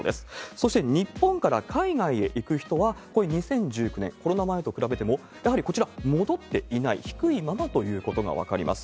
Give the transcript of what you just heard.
そして日本から海外へ行く人は、これ、２０１９年、コロナ前と比べても、やはりこちら、戻っていない、低いままということが分かります。